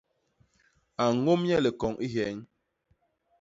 A ñôm nye likoñ i hyeñ.